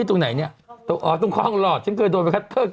ผู้หญิงหรือกะเถย